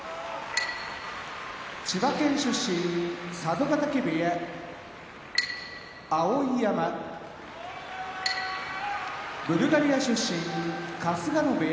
千葉県出身佐渡ヶ嶽部屋碧山ブルガリア出身春日野部屋